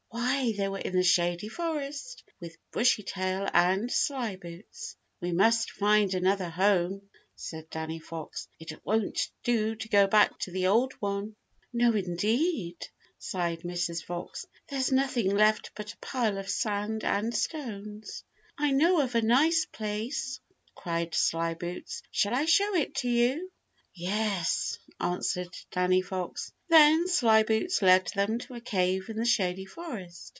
Why, they were in the Shady Forest with Bushytail and Slyboots. "We must find another home," said Danny Fox. "It won't do to go back to the old one." "No, indeed," sighed Mrs. Fox; "there's nothing left but a pile of sand and stones." "I know of a nice place," cried Slyboots. "Shall I show it to you?" "Yes," answered Danny Fox. Then Slyboots led them to a cave in the Shady Forest.